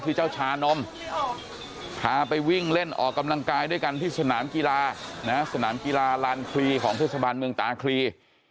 เจ้าชานมพาไปวิ่งเล่นออกกำลังกายด้วยกันที่สนามกีฬาสนามกีฬาลานคลีของเทศบาลเมืองตาคลี